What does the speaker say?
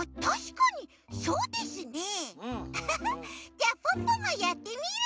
じゃポッポもやってみる！